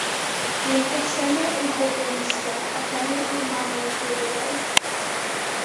Mae'n bresennol ym mhob ymlusgiad, aderyn a mamal gwrywaidd.